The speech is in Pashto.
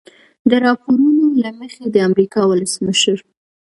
د راپورونو له مخې د امریکا ولسمشر